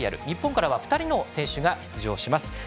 日本からは２選手が出場します。